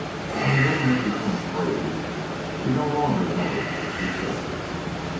When a woman has become crazed she no longer knows what she says."